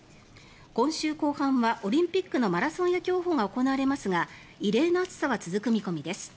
今週後半はオリンピックのマラソンや競歩が行われますが異例の暑さは続く見込みです。